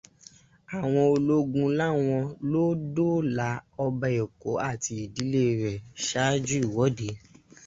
Àwọn ológun láwọn ló dóòlà Ọba Èkó àti ìdílé rẹ̀ ṣáájú ìwọ́de.